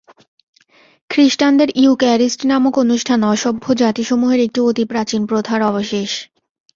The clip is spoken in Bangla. খ্রীষ্টানদের ইউক্যারিস্ট নামক অনুষ্ঠান অসভ্য জাতিসমূহের একটি অতি প্রাচীন প্রথার অবশেষ।